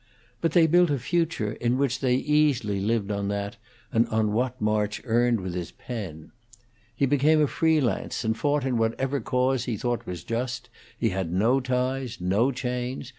But they built a future in which they easily lived on that and on what March earned with his pen. He became a free lance, and fought in whatever cause he thought just; he had no ties, no chains.